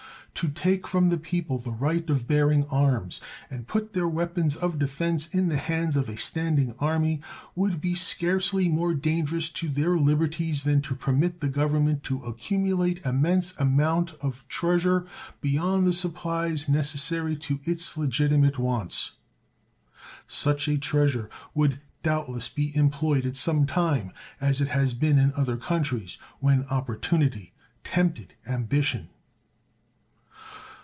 To take from the people the right of bearing arms and put their weapons of defense in the hands of a standing army would be scarcely more dangerous to their liberties than to permit the Government to accumulate immense amounts of treasure beyond the supplies necessary to its legitimate wants. Such a treasure would doubtless be employed at some time, as it has been in other countries, when opportunity tempted ambition.